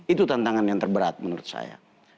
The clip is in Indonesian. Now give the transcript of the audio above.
itu tantangan yang terberat menurut saya